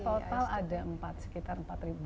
kita total ada empat sekitar empat delapan ratus